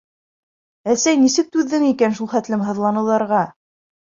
Әсәй, нисек түҙҙең икән шул хәтлем һыҙланыуҙарға?